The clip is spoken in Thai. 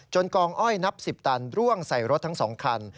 กองอ้อยนับ๑๐ตันร่วงใส่รถทั้ง๒คัน